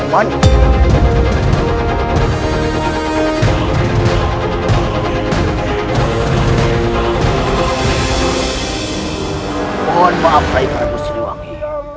mohon maaf raih bapak sidiwangi